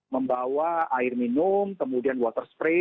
membawa air minum kemudian water spray